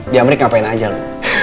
di amerika ngapain aja loh